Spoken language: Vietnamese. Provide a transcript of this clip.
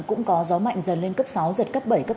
cũng có gió mạnh dần lên cấp sáu giật cấp bảy cấp tám